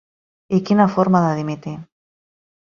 I quina forma de dimitir.